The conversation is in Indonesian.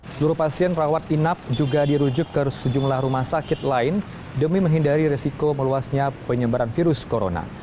seluruh pasien rawat inap juga dirujuk ke sejumlah rumah sakit lain demi menghindari resiko meluasnya penyebaran virus corona